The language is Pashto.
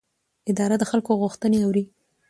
اداره د خلکو غوښتنې اوري.